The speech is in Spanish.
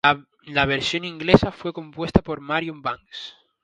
La versión inglesa fue compuesta por Marion Banks.